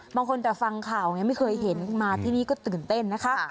บางคนแต่ฟังข่าวไงไม่เคยเห็นมาที่นี่ก็ตื่นเต้นนะคะ